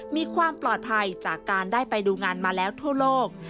มีความปลอดภัยจากการได้ไปดูงานมาแล้วทั่วโลก